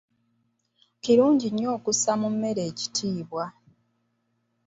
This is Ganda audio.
Kirungi nnyo okussa mu mmere ekitiibwa.